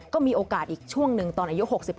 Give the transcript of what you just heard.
ก็มีโอกาสอีกช่วงหนึ่งตอนอายุ๖๑